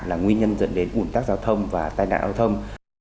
là nguyên nhân dẫn đến ủn tắc giao thông và tai nạn giao thông